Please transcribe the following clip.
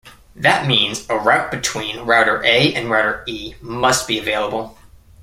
That means a route between router A and router E must be available.